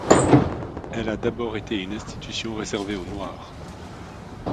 Elle a d'abord été une institution réservée aux Noirs.